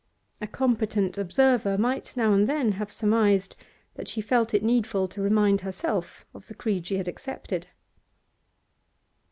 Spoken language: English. A competent observer might now and then have surmised that she felt it needful to remind herself of the creed she had accepted.